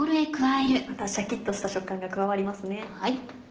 またシャキっとした食感が加わりますね。